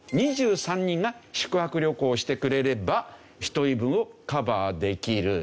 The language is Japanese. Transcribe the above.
２３人が宿泊旅行してくれれば１人分をカバーできる。